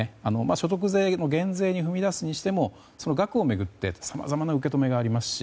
所得税の減税に踏み出すにしてもその額を巡って、さまざまな受け止めがありますし。